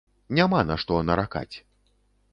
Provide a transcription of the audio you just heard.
Няма на што наракаць.